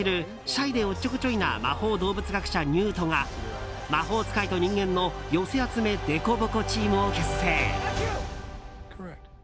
シャイでおっちょこちょいな魔法動物学者ニュートが魔法使いと人間の寄せ集めデコボコチームを結成。